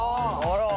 あら。